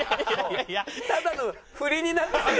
ただの振りになってる。